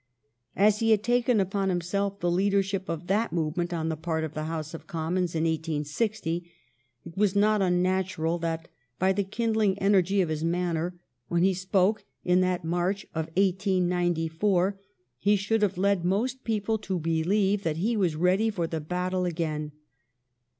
As he had taken upon himself the leadership of that movement on the part of the House of Commons in i860, it was not unnatural that by the kindling energy of his manner when he spoke in that March of 1894, he should have led most people to believe that he was ready for the battle again.